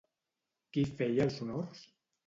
Qui feia els honors?